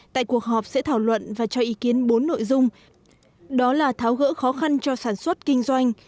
tại cuộc họp sẽ thảo luận và cho ý kiến bốn nội dung đó là tháo gỡ khó khăn cho sản xuất kinh doanh